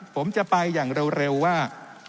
ผมจะไปอย่างเร็วว่า